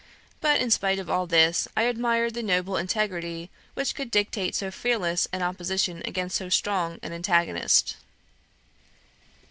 But in spite of all this, I admired the noble integrity which could dictate so fearless an opposition against so strong an antagonist.